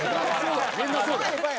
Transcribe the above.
みんなそうだよ。